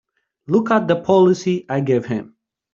Look at the policy I gave him!